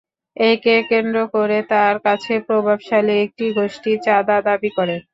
একে কেন্দ্র করে তাঁর কাছে প্রভাবশালী একটি গোষ্ঠী চাঁদা দাবি করে।